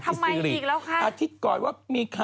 พี่เชียร์ด้วย